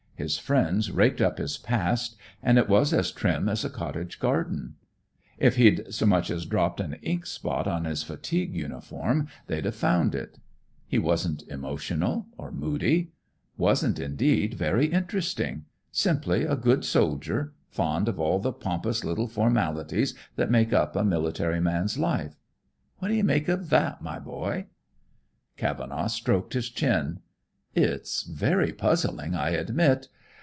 His friends raked up his past, and it was as trim as a cottage garden. If he'd so much as dropped an ink spot on his fatigue uniform, they'd have found it. He wasn't emotional or moody; wasn't, indeed, very interesting; simply a good soldier, fond of all the pompous little formalities that make up a military man's life. What do you make of that, my boy?" Cavenaugh stroked his chin. "It's very puzzling, I admit.